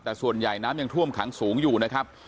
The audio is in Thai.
แต่ส่วนใหญ่น้ำยังท่วมขังสูงอยู่นะครับ